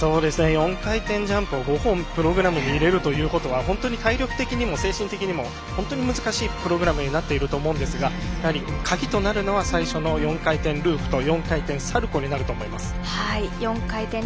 ４回転ジャンプを５本プログラムに入れるということは本当に体力的にも精神的にも本当に難しいプログラムになっていると思いますが鍵となるのは最初の４回転ループ４回転サルコーになると思います。